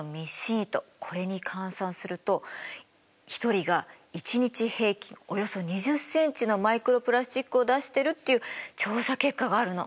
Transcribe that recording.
これに換算すると１人が１日平均およそ２０ｃｍのマイクロプラスチックを出してるっていう調査結果があるの。